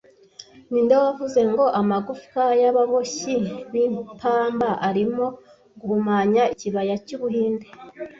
Ninde wavuze ngo 'amagufwa y'ababoshyi b'ipamba arimo guhumanya ikibaya cy'Ubuhinde'